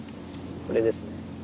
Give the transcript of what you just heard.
これですね。